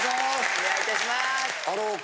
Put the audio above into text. お願い致します。